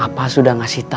apa sudah ngasih tanda